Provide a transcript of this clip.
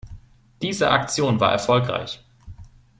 Diese Aktion war erfolgreich.